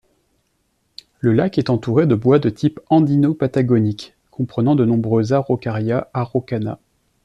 Le lac est entouré de bois de type andino-patagonique, comprenant de nombreux Araucaria araucana.